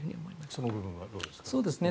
その部分はどうですか。